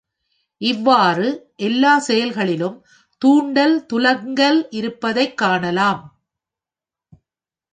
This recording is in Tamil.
இவ்வாறு எல்லாச் செயல்களிலும் துாண்டல் துலங்கல் இருப்ப தைக் காணலாம்.